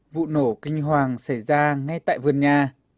vụ nổ kinh hoàng xảy ra ngay tại vườn nhà